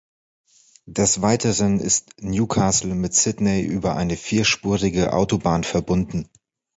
Des Weiteren ist Newcastle mit Sydney über eine vierspurige Autobahn verbunden.